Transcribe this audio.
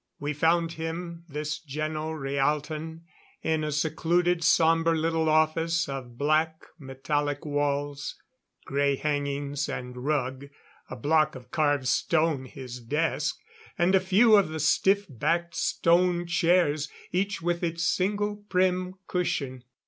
We found him, this Geno Rhaalton, in a secluded, somber little office of black metallic walls, grey hangings and rug, a block of carved stone his desk, and a few of the stiff backed stone chairs, each with its single prim cushion.